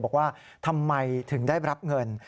บอกว่าทำไมถึงได้รับเงิน